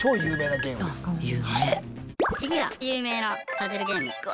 次は有名なパズルゲーム。